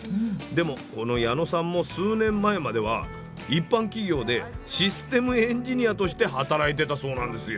でもこの矢野さんも数年前までは一般企業でシステムエンジニアとして働いてたそうなんですよ。